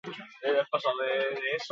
Renferen Adif konpainiak ustiatzen du.